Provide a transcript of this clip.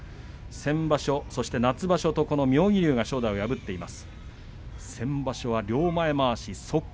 先場所、そして夏場所と妙義龍が正代を破っています。